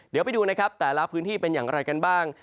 เดี๋ยวไปดูนะครับแต่ละพื้นที่เป็นอย่างไรกันบ้าง